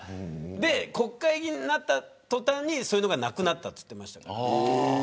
国会議員になった途端そういうのがなくなったと言ってました。